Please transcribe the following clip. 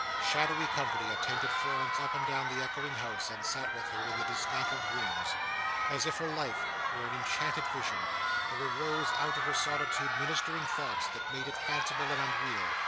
Shadowy company attended Florence up and down the echoing house, and sat with her in the dismantled rooms. As if her life were an enchanted vision, there arose out of her solitude ministering thoughts, that made it fanciful and unreal.